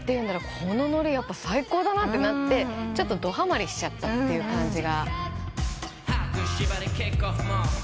このノリ最高だなってなってちょっとどはまりしちゃったって感じが。